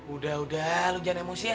udah udah lo jangan emosi ya